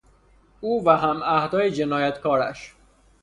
او و همعهدهای جنایتکارش